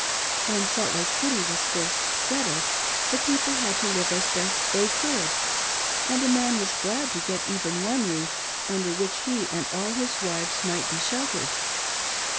When Salt Lake City was first settled, the people had to live as best they could, and a man was glad to get even one roof under which he and all his wives might be sheltered.